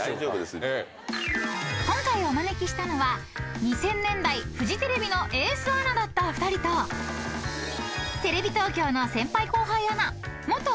［今回お招きしたのは２０００年代フジテレビのエースアナだった２人とテレビ東京の先輩後輩アナ元『プレバト‼』